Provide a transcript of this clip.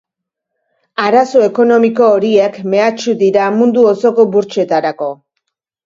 Arazo ekonomiko horiek mehatxu dira mundu osoko burtsetarako.